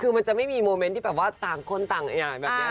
คือมันจะไม่มีบริกษ์ที่ต่างคนต่างอย่างนี้